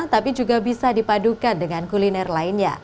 tapi juga bisa dipadukan dengan kuliner lainnya